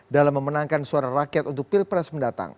dalam memenangkan suara rakyat untuk pilpres mendatang